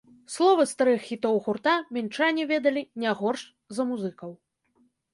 Словы старых хітоў гурта мінчане ведалі не горш за музыкаў.